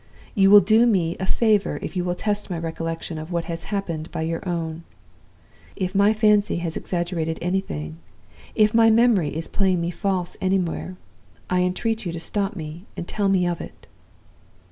You will do me a favor if you will test my recollection of what has happened by your own. If my fancy has exaggerated anything, if my memory is playing me false anywhere, I entreat you to stop me, and tell me of it.